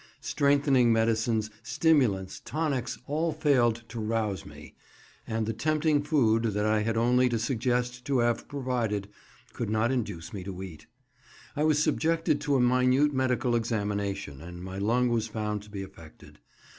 Strengthening medicines, stimulants, tonics, all failed to rouse me, and the tempting food, that I had only to suggest to have provided, could not induce me to eat. I was subjected to a minute medical examination, and my lung was found to be affected.